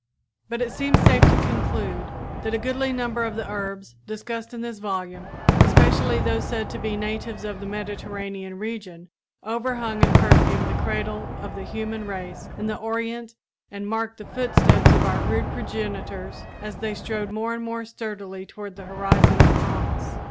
But it seems safe to conclude that a goodly number of the herbs discussed in this volume, especially those said to be natives of the Mediterranean region, overhung and perfumed the cradle of the human race in the Orient and marked the footsteps of our rude progenitors as they strode more and more sturdily toward the horizon of promise.